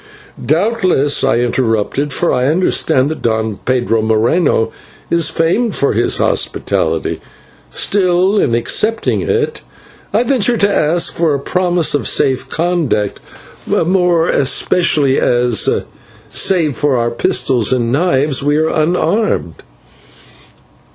"Doubtless," I interrupted, "for I understand that Don Pedro Moreno is famed for his hospitality. Still, in accepting it, I venture to ask for a promise of safe conduct, more especially as, save for our pistols and knives, we are unarmed."